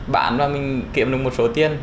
bán và mình kiệm được một số tiền